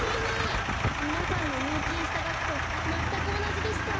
みなさんのにゅうきんしたがくとまったくおなじでした。